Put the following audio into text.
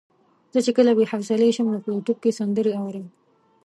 زه چې کله بې حوصلې شم نو په يوټيوب کې سندرې اورم.